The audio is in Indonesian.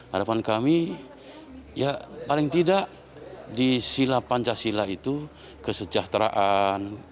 harapan kami ya paling tidak di sila pancasila itu kesejahteraan